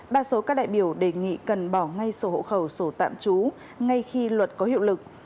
đa số các đại biểu đề nghị cần bỏ ngay sổ hộ khẩu sổ tạm trú ngay khi luật có hiệu lực